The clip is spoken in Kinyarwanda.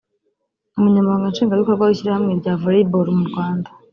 Umunyamabanga Nshingwabikorwa w’Ishyirahamwe rya Volleyball mu Rwanda